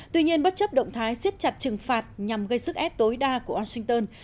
tuy nhiên bất chấp động thái siết chặt trừng phạt nhằm gây sức ép tối đa của washington